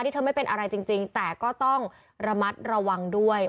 เธอไม่เป็นอะไรจริงแต่ก็ต้องระมัดระวังด้วย